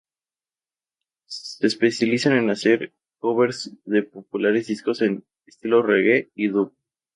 Se especializan en hacer covers de populares discos en estilo reggae y dub.